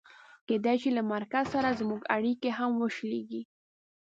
کېدای شي له مرکز سره زموږ اړیکې هم وشلېږي.